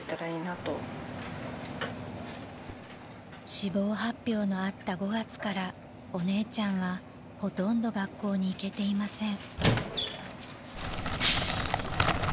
［死亡発表のあった５月からお姉ちゃんはほとんど学校に行けていません］